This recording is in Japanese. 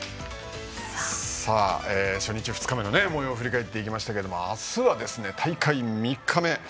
初日、２日目のもようを振り返っていきましたが明日は大会３日目。